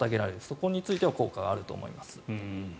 そこについては効果があると思います。